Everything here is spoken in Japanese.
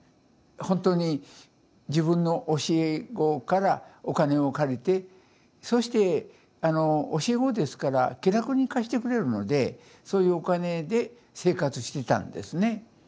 本当に自分の教え子からお金を借りてそしてあの教え子ですから気楽に貸してくれるのでそういうお金で生活してたんですね。